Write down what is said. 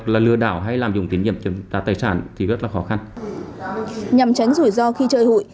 là lừa đảo hay làm dùng tín nhiệm chiếm đoạt tài sản thì rất là khó khăn nhằm tránh rủi ro khi chơi hụi